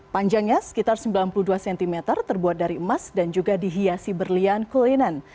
panjangnya sekitar sembilan puluh dua cm terbuat dari emas dan juga dihiasi berlian kuliner